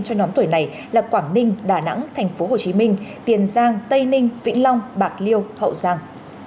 cho nhóm tuổi này là quảng ninh đà nẵng tp hcm tiền giang tây ninh vĩnh long bạc liêu hậu giang